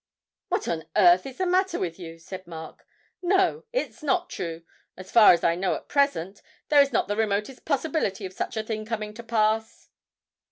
'What on earth is the matter with you?' said Mark. 'No, it's not true; as far as I know at present, there is not the remotest possibility of such a thing coming to pass.'